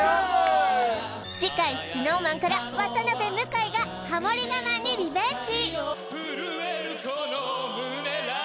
次回ＳｎｏｗＭａｎから渡辺向井がハモリ我慢にリベンジ